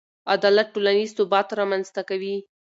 عدالت ټولنیز ثبات رامنځته کوي.